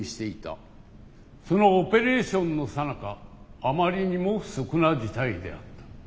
そのオペレーションのさなかあまりにも不測な事態であった。